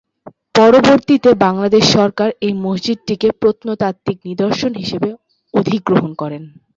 পরবর্তীতে বাংলাদেশ সরকার এই মসজিদটিকে প্রত্নতাত্ত্বিক নিদর্শন হিসেবে অধিগ্রহণ করেন।